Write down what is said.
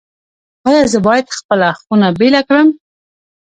ایا زه باید خپله خونه بیله کړم؟